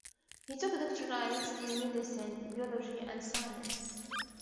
He took doctorates in medicine, biology and science.